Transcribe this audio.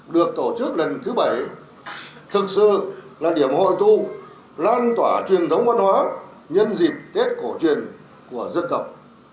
được tổ chức lần thứ bảy thực sự là điểm hội thu lan tỏa truyền thống văn hóa nhân dịp tết cổ truyền của dân tộc